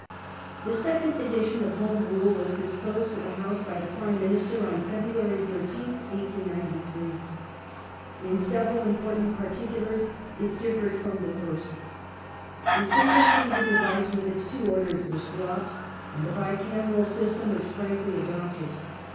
The second edition of Home Rule was disclosed to the House The by the Prime Minister on February 13th, 1893. In several im ^^J^^I^^ ^^ portant particulars it differed from the first. The sinole chamber Home device with its two "Orders" was dropped, and the bicameral ^'^^^'^^^^ system was frankly adopted.